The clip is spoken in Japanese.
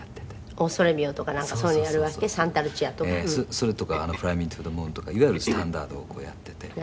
それとか『フライ・ミー・トゥー・ザ・ムーン』とかいわゆるスタンダードをやってて。